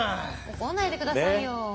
怒んないでくださいよ。